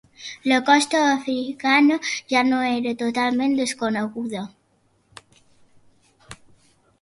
La costa africana ja no era totalment desconeguda.